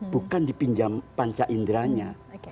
bukan dipinjam panca inderanya